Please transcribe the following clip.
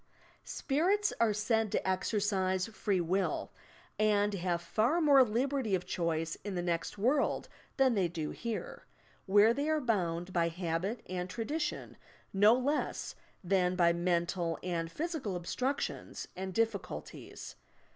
"Spirits" are said to exercise free will and have far more liberty of choice in the next world than they do here — where they are bound by habit and tradition no less than by mental and physical obstructions and diffi culties.